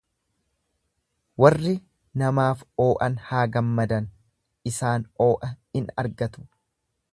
Warri namaaf oo'an haa gammadan, isaan oo'a in argatu.